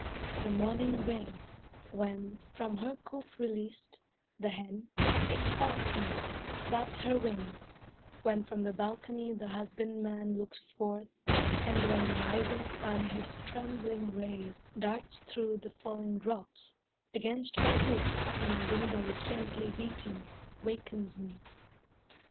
The morning rain, when, from her coop released, The hen, exulting, flaps her wings, when from The balcony the husbandman looks forth, And when the rising sun his trembling rays Darts through the falling drops, against my roof And windows gently beating, wakens me.